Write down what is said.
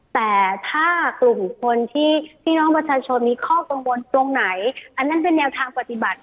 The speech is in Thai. แต่ถ้ากลุ่มคนที่พี่น้องประชาชนมีข้อกังวลตรงไหนอันนั้นเป็นแนวทางปฏิบัติ